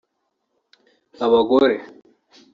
Abagore